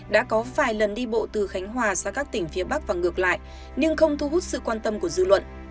đã có vài lần đi bộ từ khánh hòa sang các tỉnh phía bắc và ngược lại nhưng không thu hút sự quan tâm của dư luận